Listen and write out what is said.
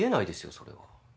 それは。